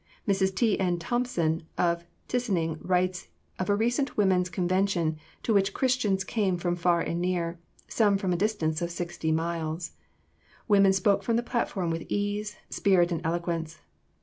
Mrs. T. N. Thompson of Tsining writes of a recent women's convention to which Christians came from far and near, some from a distance of sixty miles. Women spoke from the platform with ease, spirit, and eloquence.